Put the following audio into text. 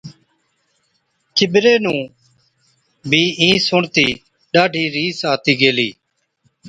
چِٻري نُون بِي اِين سُڻتِي ڏاڍِي رِيس آتِي گيلِي۔